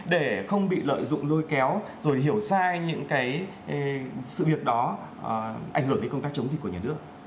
để không bị lợi dụng lôi kéo rồi hiểu sai những cái sự việc đó ảnh hưởng đến công tác chống dịch của nhà nước